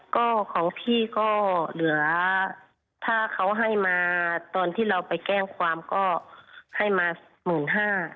ก็ของพี่ก็เหลือถ้าเขาให้มาตอนที่เราไปแจ้งความก็ให้มาหมื่นห้า